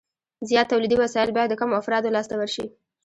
زیات تولیدي وسایل باید د کمو افرادو لاس ته ورشي